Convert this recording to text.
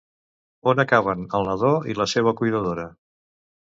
On acaben el nadó i la seva cuidadora?